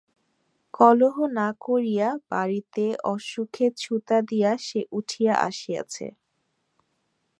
কলহ না করিয়া বাড়িতে অসুখের ছুতা দিয়া সে উঠিয়া আসিয়াছে।